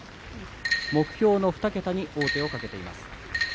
目標の２桁に王手をかけています。